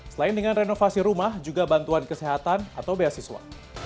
selain dengan renovasi rumah juga bantuan kesehatan atau beasiswa